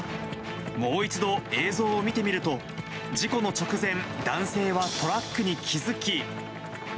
もう一度映像を見てみると、事故の直前、男性はトラックに気付き。